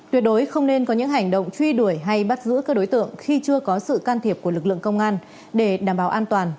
tuyệt đối không nên có những hành động truy đuổi hay bắt giữ các đối tượng khi chưa có sự can thiệp của lực lượng công an để đảm bảo an toàn